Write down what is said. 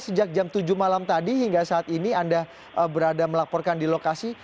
sejak jam tujuh malam tadi hingga saat ini anda berada melaporkan di lokasi